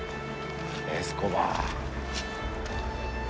エスコバー。